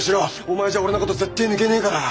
お前じゃ俺のこと絶対抜けねえから！